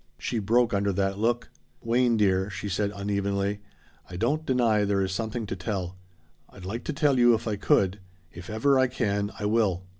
She broke under that look. "Wayne dear," she said unevenly, "I don't deny there is something to tell. I'd like to tell you, if I could. If ever I can, I will."